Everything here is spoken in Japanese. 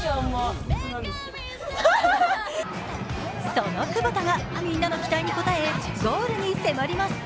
その久保田がみんなの期待に応え、ゴールに迫ります。